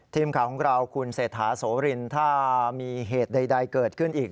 ทีมข่าวของเราคุณเศรษฐาโสรินถ้ามีเหตุใดเกิดขึ้นอีก